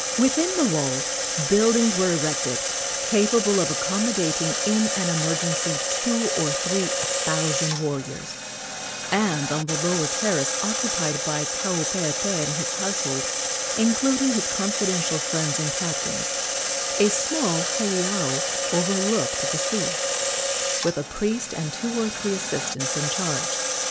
Within the walls buildings were erected capable of accommodating in an emergency two or three thousand warriors, and on the lower terrace, occupied by Kaupeepee and his household, including his confidential friends and captains, a small heiau overlooked the sea, with a priest and two or three assistants in charge.